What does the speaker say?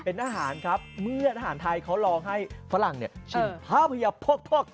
เป็นอาหารครับเมื่ออาหารไทยเขาลองให้ฝรั่งชิมภาพยาพก